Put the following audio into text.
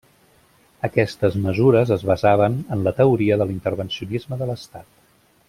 Aquestes mesures es basaven en la teoria de l'intervencionisme de l'estat.